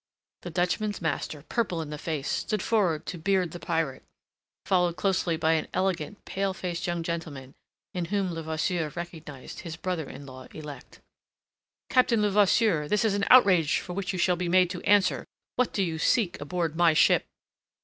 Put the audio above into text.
The Dutchman's master, purple in the face, stood forward to beard the pirate, followed closely by an elegant, pale faced young gentleman in whom Levasseur recognized his brother in law elect. "Captain Levasseur, this is an outrage for which you shall be made to answer. What do you seek aboard my ship?"